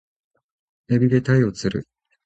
海老で鯛を釣る